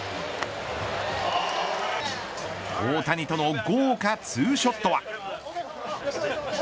大谷との豪華ツーショットは。